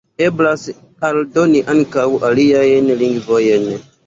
Eblas aldoni ankaŭ aliajn lingvojn.